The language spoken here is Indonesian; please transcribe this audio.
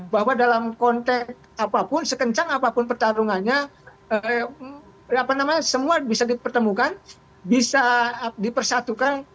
bahwa dalam konteks apapun sekencang apapun pertarungannya semua bisa dipertemukan bisa dipersatukan